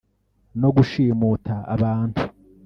no gushimuta abantu”